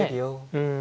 うん。